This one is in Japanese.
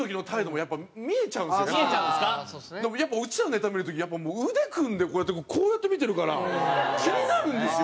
やっぱうちらのネタを見る時腕組んでこうやって見てるから気になるんですよ。